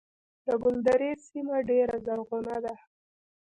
د ګلدرې سیمه ډیره زرغونه ده